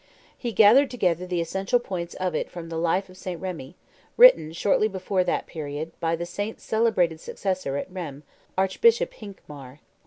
He gathered together the essential points of it from the Life of Saint Remi, written, shortly before that period, by the saint's celebrated successor at Rheims, Archbishop Hincmar.